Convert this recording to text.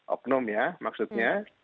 oknum ya maksudnya